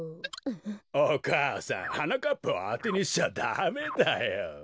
お母さんはなかっぱをあてにしちゃダメだよ。